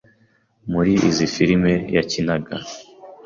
muri izi filimi yakinaga